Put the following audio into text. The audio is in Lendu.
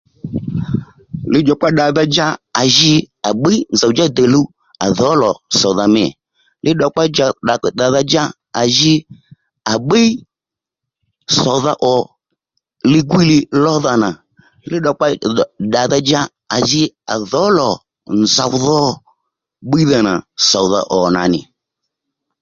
Lidjòkpa ddadha dja à ji à bbíy nzòw djá dè luw à dhǒ lò sòdha mî li ddokpa ja lidjòkpa ddadha dja à ji à bbíy sòdha ò ligwí lódha nà li ddòkpa djòkpa ddàdha dja à jì à dhǒ lò nzòw dho bbíydha nà sòdha ò nà nì